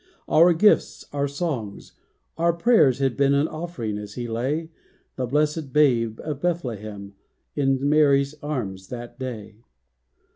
Our gifts, our songs, our prayers had been An offering, as He lay, The blessed Babe of Bethlehem, In Mary's arms that day.